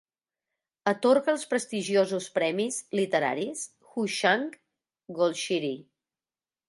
Atorga els prestigiosos premis literaris Hooshang Golshiri.